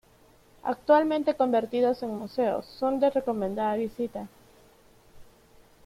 Actualmente convertidos en museo, son de recomendada visita.